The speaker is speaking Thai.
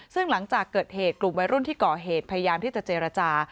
ซึ่งหลังจากเกิดเหตุกลุ่มวัยรุ่นที่ก่อเหตุพยายามที่จะเจรจา